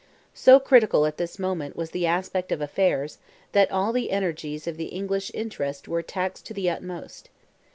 So critical at this moment was the aspect of affairs, that all the energies of the English interest were taxed to the utmost.